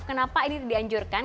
kenapa ini tidak dianjurkan